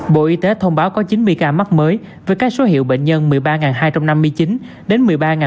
bộ y tế thông báo có chín mươi ca mắc mới với các số hiệu bệnh nhân một mươi ba hai trăm năm mươi chín đến một mươi ba ba trăm bốn mươi tám